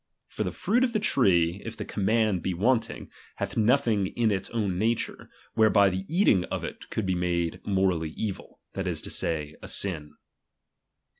For the fruit of the tree, if the command be wanting, hath nothing in its own nature, whereby the eating of it could be morally evil, that is to say, a sin.